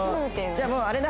じゃあもうあれだ。